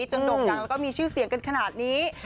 จนดกยังมีชื่อเสียงกันขนาดนี้